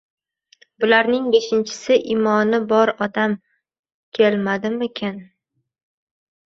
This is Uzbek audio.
Bularning beshinchisi imoni bor odam kelmadimikin?